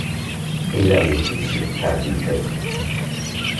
Era de oficio carpintero.